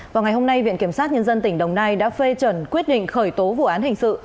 vào ngày hôm nay viện kiểm sát nhân dân tỉnh đồng nai đã phê chuẩn quyết định khởi tố vụ án hình sự